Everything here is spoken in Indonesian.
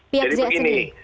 pihak zs sendiri